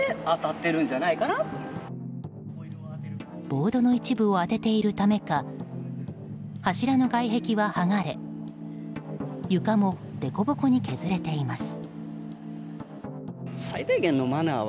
ボードの一部を当てているためか柱の外壁は剥がれ床も凸凹に削れています。